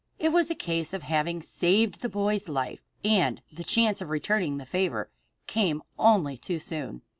It was a case of having saved the boy's life, and the chance of returning the favor came only too soon.